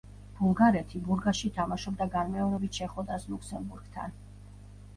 ბულგარეთი, ბურგასში თამაშობდა განმეორებით შეხვედრას ლუქსემბურგთან.